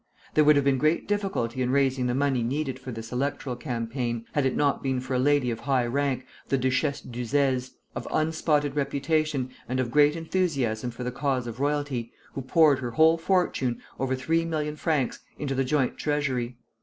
There would have been great difficulty in raising the money needed for this electoral campaign, had it not been for a lady of high rank, the Duchesse d'Uzès, of unspotted reputation, and of great enthusiasm for the cause of royalty, who poured her whole fortune (over three million francs) into the joint treasury.